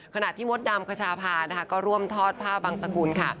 ขนาดที่มดดำขชาพาก็ร่วมทอดภาพบางสกุลค่ะ